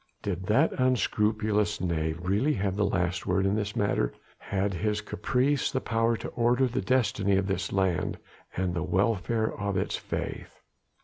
Did that unscrupulous knave really have the last word in the matter? had his caprice the power to order the destiny of this land and the welfare of its faith?